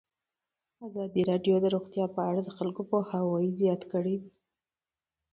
ازادي راډیو د روغتیا په اړه د خلکو پوهاوی زیات کړی.